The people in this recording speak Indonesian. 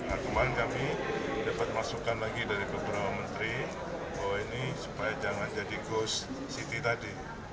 akumat kami dapat masukkan lagi dari beberapa menteri bahwa ini supaya jangan jadi ghost city tadi